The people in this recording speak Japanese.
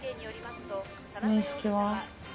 面識は？